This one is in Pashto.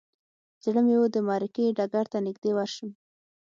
زړه مې و د معرکې ډګر ته نږدې ورشم.